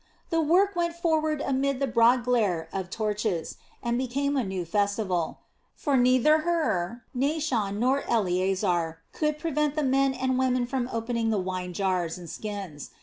The work went forward amid the broad glare of torches, and became a new festival; for neither Hur, Naashon, nor Eleasar could prevent the men and women from opening the wine jars and skins.